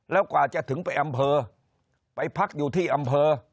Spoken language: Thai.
แล้วกว่าจะถึงไปอำเภอไปพักอยู่ที่อำเภอ